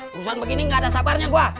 terusan begini nggak ada sabarnya gua